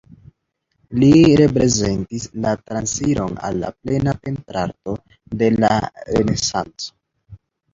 Li reprezentis la transiron al la plena pentrarto de la Renesanco.